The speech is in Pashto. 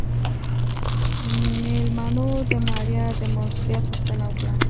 مېلمنو د ماريا د موجوديت پوښتنه وکړه.